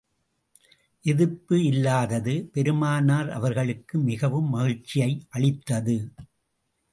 எதிர்ப்பு இல்லாதது பெருமானார் அவர்களுக்கு மிகவும் மகிழ்ச்சியை அளித்தது.